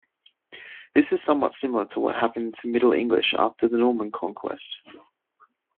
This is somewhat similar to what happened to Middle English after the Norman conquest.